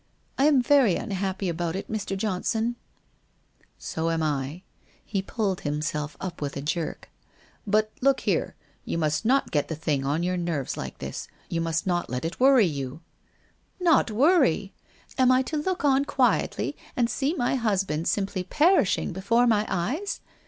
I am very unhappy about it, Mr. Johnson/ ' So am 1/ He pulled himself up with a jerk. * But, look here; you must not get the thing on your nerves like this. You must not let it worry you/ 1 Not worry ! Am I to look on quietly and see my hus band simply perishing before my eyes?